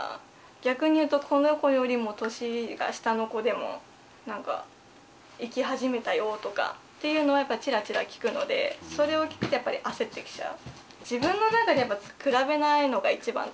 逆に言うとこの子よりも年が下の子でもなんか行き始めたよとかっていうのはチラチラ聞くのでそれを聞くとやっぱり焦ってきちゃう。